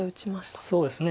そうですね。